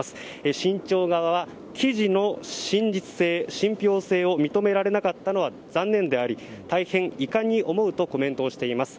新潮側は記事の真実性・信憑性を認められなかったのは残念であり大変遺憾に思うとコメントしています。